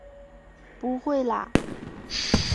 不会啦！